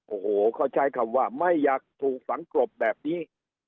โอ้โหเขาใช้คำว่าไม่อยากถูกฝังกรบแบบนี้